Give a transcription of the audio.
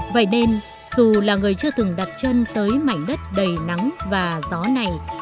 vậy nên dù là người chưa từng đặt chân tới mảnh đất đầy nắng và gió này